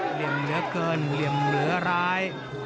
เหลี่ยมเหลือเกินเหลี่ยมเหลือร้าย